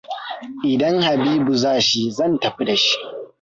Idan Habibua za shi, zan tafi da shi.